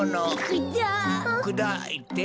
くだいて。